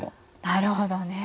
なるほどね。